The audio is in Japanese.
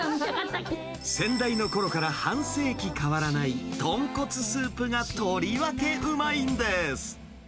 先代のころから半世紀変わらない、豚骨スープがとりわけうまいんです。